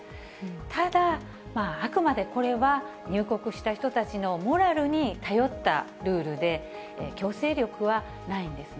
ただ、あくまでこれは入国した人たちのモラルに頼ったルールで、強制力はないんですね。